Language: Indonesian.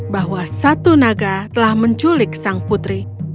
bahwa satu naga telah menculik sang putri